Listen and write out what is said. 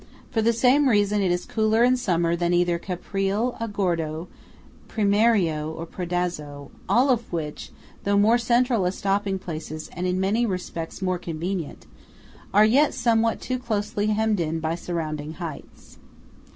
For the same reason it is cooler in summer than either Caprile, Agordo, Primiero, or Predazzo; all of which, though more central as stopping places and in many respects more convenient, are yet somewhat too closely hemmed in by surrounding heights.